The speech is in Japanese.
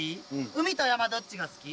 海と山どっちが好き？